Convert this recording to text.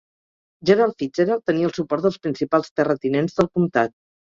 Gerald Fitzgerald tenia el suport dels principals terratinents del comtat.